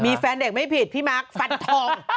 มีแฟนเด็กไม่ผิดพี่มาร์คฟันทอง